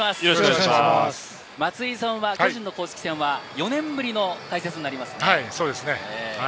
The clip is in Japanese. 松井さんは巨人の公式戦は４年ぶりの解説になりますね。